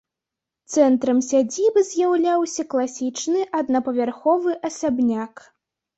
Цэнтрам сядзібы з'яўляўся класічны аднапавярховы асабняк.